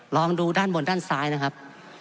ลองดูด้านบนด้านซ้ายนะครับ